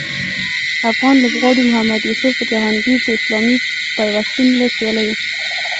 افغان لوبغاړي محمد یوسف جهانګیر د اسلامي پیوستون له سیالیو